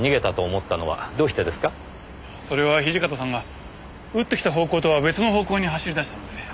それは土方さんが撃ってきた方向とは別の方向に走り出したんで。